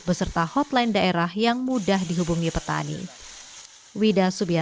beserta hotline daerah yang mudah dihubungi petani